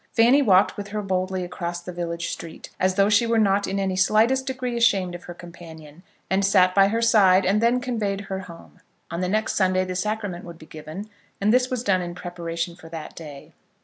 Fanny walked with her boldly across the village street, as though she were not in any slightest degree ashamed of her companion, and sat by her side, and then conveyed her home. On the next Sunday the sacrament would be given, and this was done in preparation for that day.